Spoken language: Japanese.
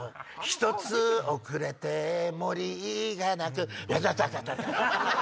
一つ遅れて森が泣くヤッダダダダ。